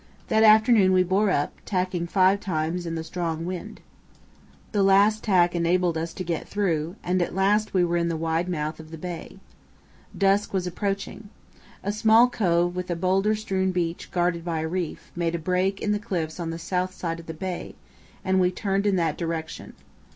That afternoon we bore up, tacking five times in the strong wind. The last tack enabled us to get through, and at last we were in the wide mouth of the bay. Dusk was approaching. A small cove, with a boulder strewn beach guarded by a reef, made a break in the cliffs on the south side of the bay, and we turned in that direction.